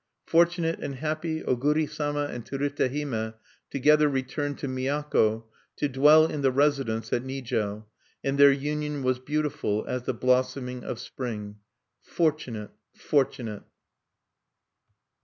Fortunate and happy, Oguri Sama and Terute Hime together returned to Miako, to dwell in the residence at Nijo, and their union was beautiful as the blossoming of spring. _Fortunate! Fortunate!